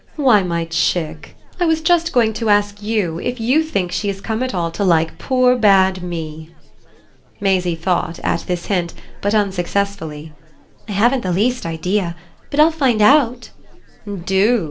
"Why, my chick, I was just going to ask you if you think she has come at all to like poor bad me!" Maisie thought, at this hint; but unsuccessfully. "I haven't the least idea. But I'll find out." "Do!"